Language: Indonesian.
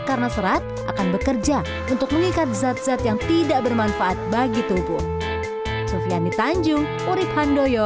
karena serat akan bekerja untuk mengikat zat zat yang tidak bermanfaat bagi tubuh